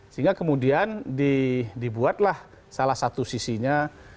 sehingga kemudian dibuatlah salah satu sisinya